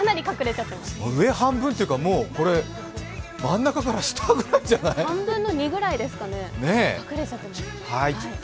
上半分というか、もうこれ真ん中から下くらいじゃない？